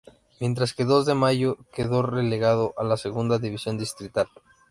Mientras que Dos de Mayo quedó relegado a la Segunda División distrital.